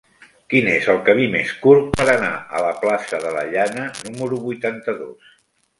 Quin és el camí més curt per anar a la plaça de la Llana número vuitanta-dos?